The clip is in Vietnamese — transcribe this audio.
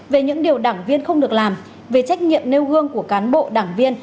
về những điều đảng viên không được làm về trách nhiệm nêu gương của cán bộ đảng viên